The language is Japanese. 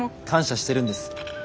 感謝してるんです。